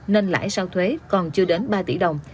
nên lãi sau thuế còn chưa đến ba tỷ đồng